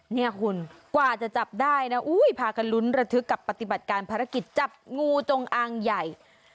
เนี่ยคุณกว่าจะจับได้นะพากันลุ้นระทึกกับปฏิบัติการภารกิจจับงูจงอางใหญ่